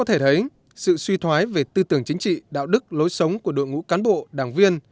có thể thấy sự suy thoái về tư tưởng chính trị đạo đức lối sống của đội ngũ cán bộ đảng viên